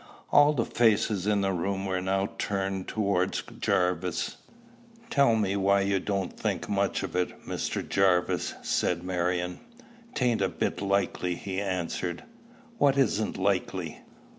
All the faces in the room were now turned towards Jarvis. "Tell me why you don't think much of it, Mr. Jarvis," said Marion. "'Tain't a bit likely," he answered. "What isn't likely?"